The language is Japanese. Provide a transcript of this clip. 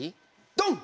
ドン！